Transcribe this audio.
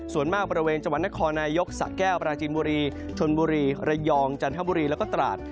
ส่วนมากบริเวณจังหวัดนครนายกสะแก้วปราจีนบุรีชนบุรีระยองจันทบุรีแล้วก็ตราด